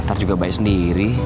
ntar juga baik sendiri